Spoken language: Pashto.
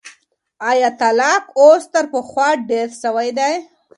ایا طلاق اوس تر پخوا ډېر سوی دی؟